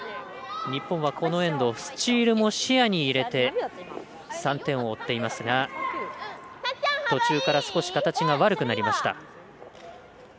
日本はこのエンドスチールも視野に入れて３点を追っていますが途中から少し形が悪くなってきました。